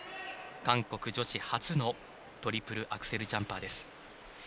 韓国女子初のトリプルアクセルジャンパーです。